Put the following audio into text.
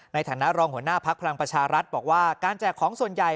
ในฐานะรองหัวหน้าพักพลังประชารัฐบอกว่าการแจกของส่วนใหญ่